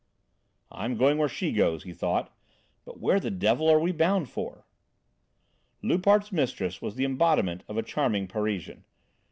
"I'm going where she goes," he thought. "But where the devil are we bound for?" Loupart's mistress was the embodiment of a charming Parisian.